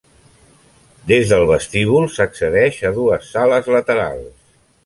Des del vestíbul s'accedeix a dues sales laterals.